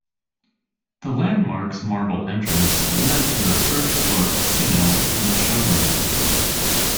The Landmark's marble entrance led to the first-floor casino and the showroom.